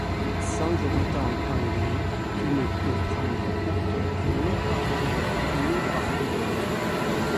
Sans octant anglais, tu ne peux prendre hauteur ni par derrière, ni par devant.